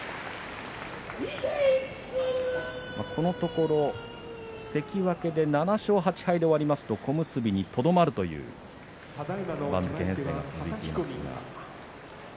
このところ、関脇で７勝８敗で終わりますと小結にとどまるという番付編成が続いています。